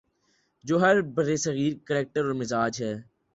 جو برصغیر کا کریکٹر اور مزاج ہے۔